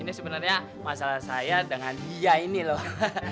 ini sebenarnya masalah saya dengan dia ini loh